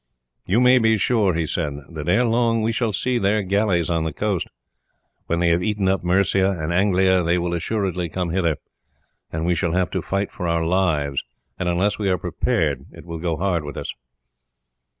"You may be sure," he said, "that ere long we shall see their galleys on the coast. When they have eaten up Mercia and Anglia they will assuredly come hither, and we shall have to fight for our lives, and unless we are prepared it will go hard with us."